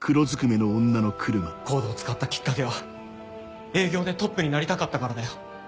ＣＯＤＥを使ったきっかけは営業でトップになりたかったからだよ。